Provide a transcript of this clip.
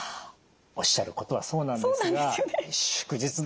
おっしゃることはそうなんですが「祝日だ。